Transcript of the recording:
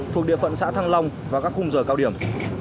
thuộc địa phận xã thăng long vào các khung giờ cao điểm